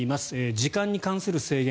時間に対する制限。